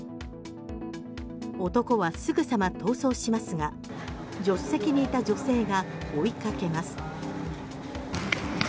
男はすぐさま逃走しますが助手席にいた女性が追いかけます。